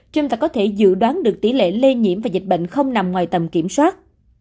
trên cả có thể dự đoán được tỷ lệ lây nhiễm và dịch bệnh không nằm ngoài tầm kiểm soát